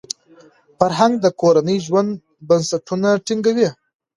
فرهنګ د کورني ژوند بنسټونه ټینګوي.